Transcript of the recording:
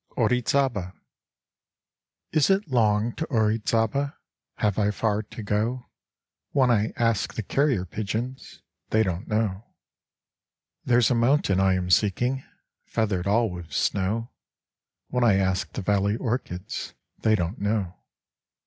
Orizaba Is it long to Orizaba? Have I far to go ? When I ask the carrier pigeons They don't know. 76 Orizaba There's a mountain I am seeking, Feathered all with snow. When I ask the valley orchids They don't know.